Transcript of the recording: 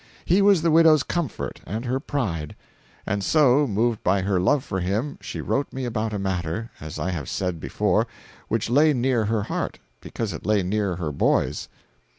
He was the widow's comfort and her pride. And so, moved by her love for him, she wrote me about a matter, as I have said before, which lay near her heart—because it lay near her boy's.